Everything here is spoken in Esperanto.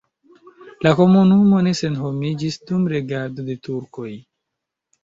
La komunumo ne senhomiĝis dum regado de turkoj.